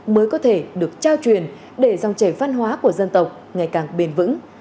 mới có thể được trao truyền để dòng trẻ văn hóa của dân tộc ngày càng bền vững